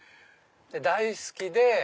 大好きで。